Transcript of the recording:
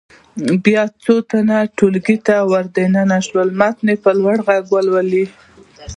بیا دې څو تنه د ټولګي په وړاندې متن په لوړ غږ ولولي.